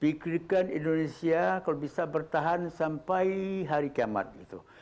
pikirkan indonesia kalau bisa bertahan sampai hari kiamat itu